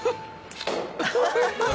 ハハハハ！